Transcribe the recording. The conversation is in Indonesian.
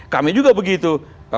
kami juga begitu